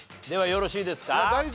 ではよろしいですか？